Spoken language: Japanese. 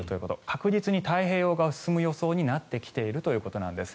確実に太平洋側を進む予想になってきているということなんです。